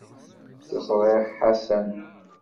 Ẓriɣ Ḥasan.